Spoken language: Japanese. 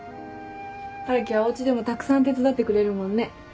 春樹はおうちでもたくさん手伝ってくれるもんね。